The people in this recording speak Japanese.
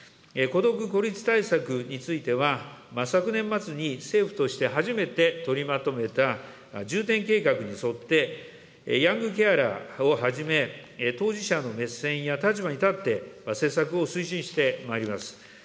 孤独・孤立対策については、昨年末に政府として初めて取りまとめた重点計画に沿って、ヤングケアラーをはじめ、当事者の目線や立場に立って、施策を推進してまいります。